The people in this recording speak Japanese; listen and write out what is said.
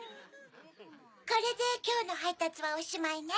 これできょうのはいたつはおしまいね。